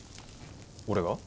俺が？